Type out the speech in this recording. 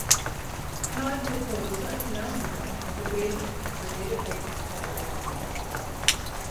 Codd proposed such an algebra as a basis for database query languages.